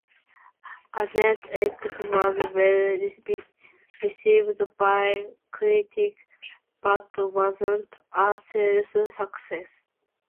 "Agent X" was well received by critics but wasn't a sales success.